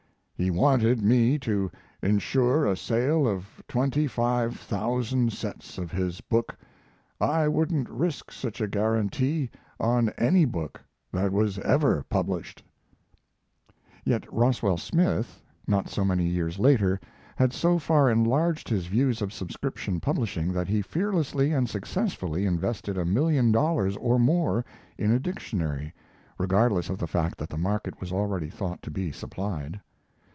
"'He wanted me to insure a sale of twenty five thousand sets of his book. I wouldn't risk such a guarantee on any book that was ever published.'" Yet Roswell Smith, not so many years later, had so far enlarged his views of subscription publishing that he fearlessly and successfully invested a million dollars or more in a dictionary, regardless of the fact that the market was already thought to be supplied.